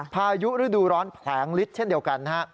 พายุฤดูร้อนแผลงฤทธิเช่นเดียวกันนะฮะ